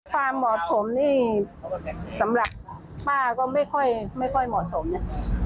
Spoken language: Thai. ความเหมาะสมนี่สำหรับป้าก็ไม่ค่อยเหมาะสมนะ